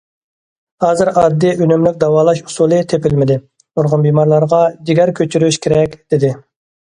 ھازىر ئاددىي، ئۈنۈملۈك داۋالاش ئۇسۇلى تېپىلمىدى، نۇرغۇن بىمارلارغا جىگەر كۆچۈرۈش كېرەك، دېدى.